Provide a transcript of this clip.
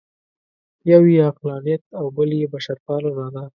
یو یې عقلانیت او بل یې بشرپالنه ده.